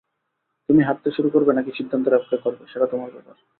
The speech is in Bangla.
তুমি হাটতে শুরু করবে নাকি সিদ্ধান্তের অপেক্ষা করবে, সেটা তোমার ব্যাপার।